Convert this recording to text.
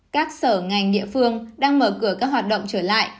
các sở ngành địa phương đang mở cửa các hoạt động trở lại